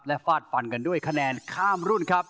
ฟาดฟันกันด้วยคะแนนข้ามรุ่นครับ